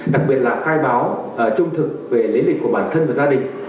đặc biệt là khai báo trung thực về lý lịch của bản thân và gia đình